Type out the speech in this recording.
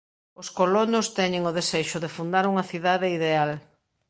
Os colonos teñen o desexo de fundar unha cidade ideal.